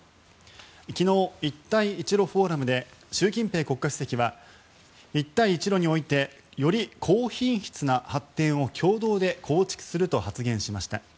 昨日、一帯一路フォーラムで習近平国家主席は一帯一路においてより高品質な発展を共同で構築すると発言しました。